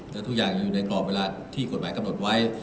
แต่ทุกอย่างอยู่ในกรอบเวลาที่กฎหมายกำหนดไว้